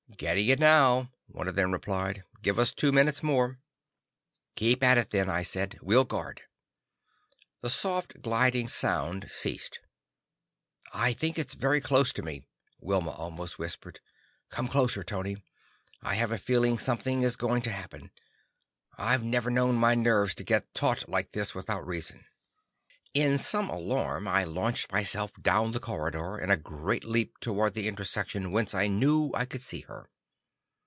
"Getting it now," one of them replied. "Give us two minutes more." "Keep at it then," I said. "We'll guard." The soft, gliding sound ceased. "I think it's very close to me," Wilma almost whispered. "Come closer, Tony. I have a feeling something is going to happen. I've never known my nerves to get taut like this without reason." In some alarm, I launched myself down the corridor in a great leap toward the intersection whence I knew I could see her.